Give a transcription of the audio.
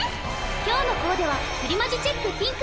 今日のコーデはプリマジチェックピンク。